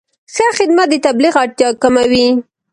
ښه خدمت د تبلیغ اړتیا کموي.